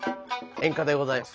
圓歌でございます。